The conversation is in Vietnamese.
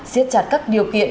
xiết chặt các điều kiện